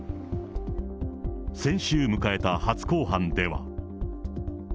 先週迎えた初公判では。